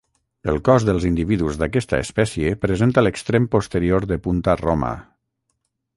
El cos dels individus d'aquesta espècie presenta l'extrem posterior de punta roma.